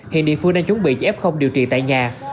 hiện địa phương đang chuẩn bị cho f điều trị tại nhà